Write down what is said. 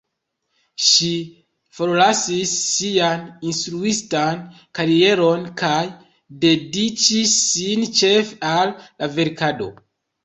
Ŝi forlasis sian instruistan karieron kaj dediĉis sin ĉefe al la verkado.